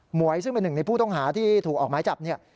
วยซึ่งเป็นหนึ่งในผู้ต้องหาที่ถูกออกไม้จับเนี่ย